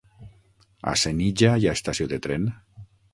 A Senija hi ha estació de tren?